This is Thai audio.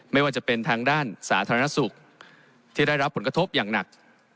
ไม่ว่าจะเป็นทางด้านสาธารณสุขที่ได้รับผลกระทบอย่างหนัก